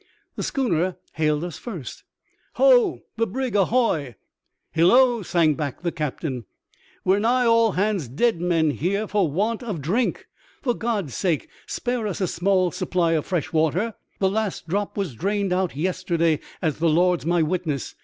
The schooner hailed us first. " Ho, the brig ahoy !"*' Hillo," sang back the captain. " We're nigh all hands dead men here for the want of a drink. For God's sake spare us a small supply of fresh water ! The last drop was drained out yesterday, as the Lord's my witness.